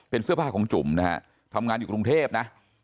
เป็นเสื้อผ้าของจุ๋มนะฮะทำงานอยู่กรุงเทพนะ